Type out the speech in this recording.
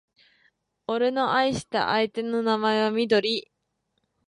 俺の愛した相手の名前はみどり